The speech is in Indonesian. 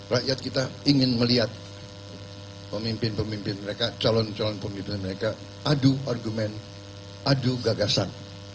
rakyat kita ingin melihat pemimpin pemimpin mereka calon calon pemimpin mereka adu argumen adu gagasan